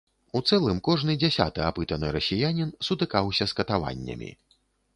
У цэлым кожны дзясяты апытаны расіянін сутыкаўся з катаваннямі.